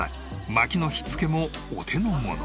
薪の火付けもお手のもの。